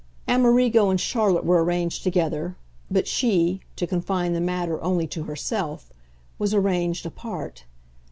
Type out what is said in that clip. Amerigo and Charlotte were arranged together, but she to confine the matter only to herself was arranged apart.